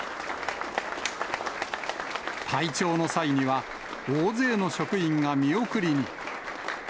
退庁の際には、大勢の職員が見送りに。